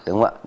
đúng không ạ